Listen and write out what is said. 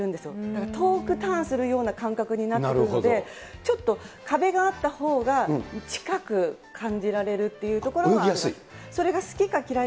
だから遠くターンするような感覚になってくるので、ちょっと壁があったほうが、近く感じられるっていうところがあります。